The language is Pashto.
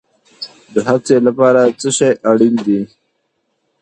د هڅې لپاره څه شی اړین دی؟